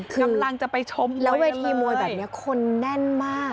กำลังจะไปชมแล้วเวทีมวยแบบนี้คนแน่นมาก